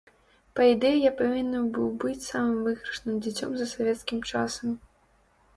Па ідэі я павінен быў быць самым выйгрышным дзіцем за савецкім часам.